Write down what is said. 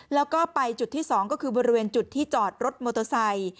แล้วก็ไปจุดที่๒ก็คือบริเวณจุดที่จอดรถมอเตอร์ไซค์